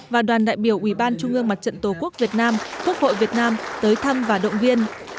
và đoàn đại biểu ủy ban trung ương mặt trận tổ quốc việt nam quốc hội việt nam tới thăm và động viên